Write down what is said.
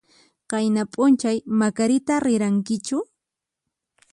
Qayna p'unchay Macarita rirankichu?